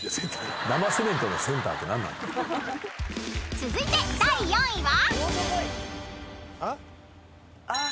［続いて第４位は］